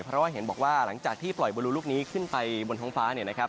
เพราะว่าเห็นบอกว่าหลังจากที่ปล่อยวอลลูกก์นี้ขึ้นไปบนท้องฟ้า